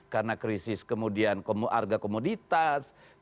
karena krisis kemudian kemuarga komoditas